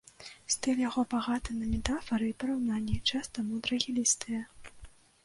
Стыль яго багаты на метафары і параўнанні, часта мудрагелістыя.